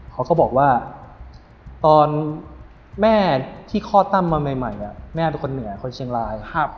เขาก็บอกว่าตอนแม่ที่คลอดตั้มมาใหม่เนี่ยแม่เป็นคนเหนือคนเชียงราย